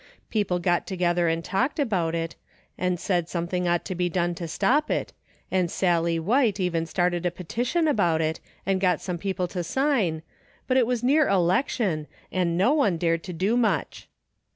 People got together and talked about it, and said some thing ought to be done to stop it, and Sallie White even started a petition about it and got some people to sign, but it was near election and no one dared do much.